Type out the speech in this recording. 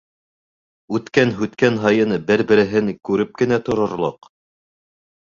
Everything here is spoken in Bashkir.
Үткән-Һүткән һайын бер-береһен күреп кенә торорлоҡ.